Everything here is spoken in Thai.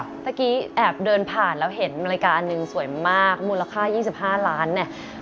เมื่อกี้แอบเดินผ่านแล้วเห็นอเมริกาอันหนึ่งสวยมากมูลค่า๒๕ล้านเนี่ย